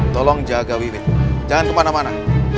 tolong jaga wiwit jangan kemana mana